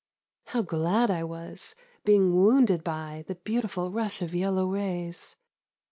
How glad I was, being wounded by The beautiful rush of yellow rays